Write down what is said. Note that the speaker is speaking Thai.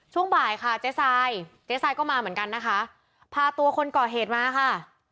ช่วงบ่ายค่ะเจ๊ทรายเจ๊ทรายก็มาเหมือนกันนะคะพาตัวคนก่อเหตุมาค่ะ